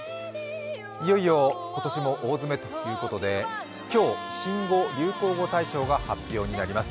いよいよ今年も大詰めということで今日、新語・流行語大賞が発表になります。